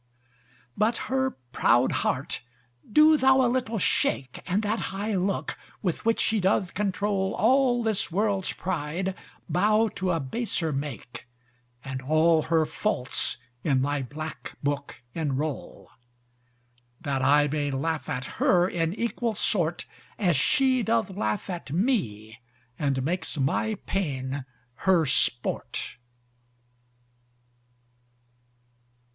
But her proud heart do thou a little shake And that high look, with which she doth comptroll All this world's pride, bow to a baser make, And all her faults in thy black book enroll. That I may laugh at her in equal sort, As she doth laugh at me and makes my pain her sport.